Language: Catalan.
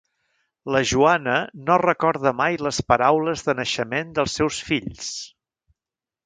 La Joana no recorda mai les paraules de naixement dels seus fills.